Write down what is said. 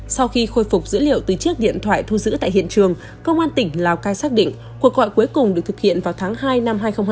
sau khi khôi phục dữ liệu từ chiếc điện thoại thu giữ tại hiện trường công an tỉnh lào cai xác định cuộc gọi cuối cùng được thực hiện vào tháng hai năm hai nghìn hai mươi